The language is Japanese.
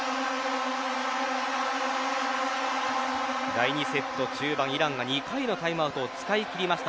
第２セット中盤、イランが２回のタイムアウトを使い切りました。